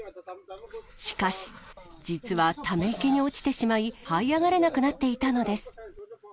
しかし、実はため池に落ちてしまい、はい上がれなくなっていたのです。